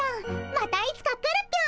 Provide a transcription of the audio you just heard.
またいつか来るぴょん。